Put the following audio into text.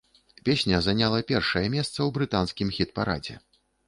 Песня заняла першае месца ў брытанскім хіт-парадзе.